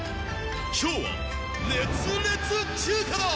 今日は熱烈中華だ。